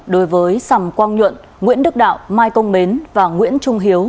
đối với sầm quang nhuận nguyễn đức đạo mai công mến và nguyễn trung hiếu